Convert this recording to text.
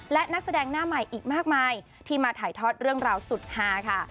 และนักแสดงหน้าใหม่อีกมากมายที่มาถ่ายทอดเรื่องราวสุดฮาค่ะ